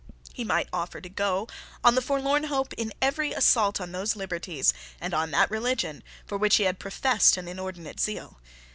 He might offer to go on the forlorn hope in every assault on those liberties and on that religion for which he had professed an inordinate zeal.